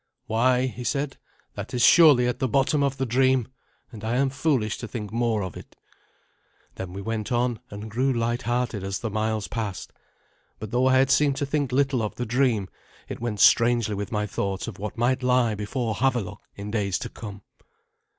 "Why," he said, "that is surely at the bottom of the dream, and I am foolish to think more of it." Then we went on, and grew light hearted as the miles passed. But though I had seemed to think little of the dream, it went strangely with my thoughts of what might lie before Havelok in days to come.